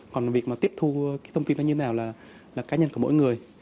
còn việc tiếp thu thông tin như thế nào là cá nhân của mỗi người